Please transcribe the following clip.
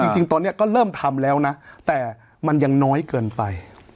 จริงตอนนี้ก็เริ่มทำแล้วนะแต่มันยังน้อยเกินไป